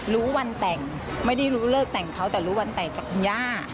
รู้วันแต่งไม่ได้รู้เลิกแต่งเขาแต่รู้วันแต่งจากคุณย่า